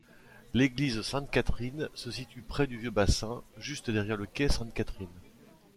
L'église Sainte-Catherine se situe près du vieux bassin, juste derrière le quai Sainte-Catherine.